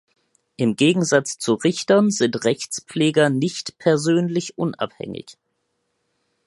Im Gegensatz zu Richtern sind Rechtspfleger nicht „persönlich“ unabhängig.